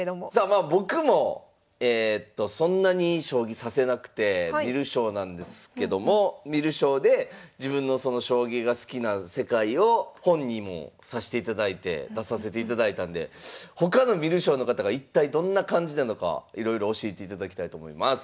まあ僕もそんなに将棋指せなくて観る将なんですけども観る将で自分の将棋が好きな世界を本にもさしていただいて出させていただいたんで他の観る将の方が一体どんな感じなのかいろいろ教えていただきたいと思います。